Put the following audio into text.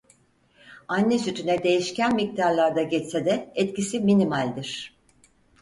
Anne sütüne değişken miktarlarda geçse de etkisi minimaldir.